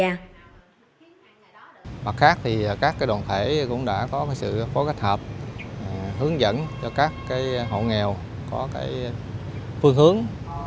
bằng cách khác thì các đoàn thể cũng đã có sự phối cách hợp hướng dẫn cho các hộ nghèo có phương hướng